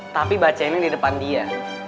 tapi bacainnya di depan dia